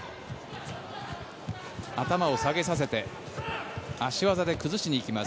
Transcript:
頭を下げさせて足技で崩しに行きます。